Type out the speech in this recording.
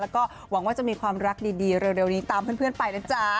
แล้วก็หวังว่าจะมีความรักดีเร็วนี้ตามเพื่อนไปนะจ๊ะ